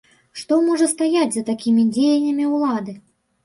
Што можа стаяць за такімі дзеяннямі ўлады?